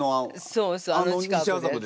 そうそう。